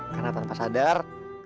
karena tanpa sadar